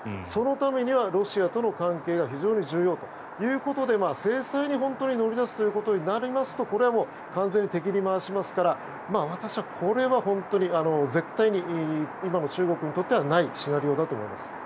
そのためにはロシアとの関係が非常に重要ということで本当に制裁に乗り出すということになりますとこれは完全に敵に回しますから私はこれは本当に絶対に今の中国にとってはないシナリオだと思います。